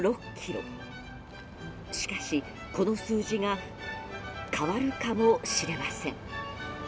しかし、この数字が変わるかもしれません。